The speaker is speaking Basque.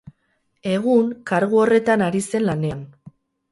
Egun, kargu horretan ari zen lanean.